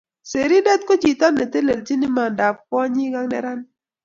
serindet ko chito netelelchini imandab kwonyik ak neranik